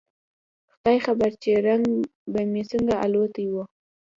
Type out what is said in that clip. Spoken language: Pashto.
خداى خبر چې رنگ به مې څنګه الوتى و.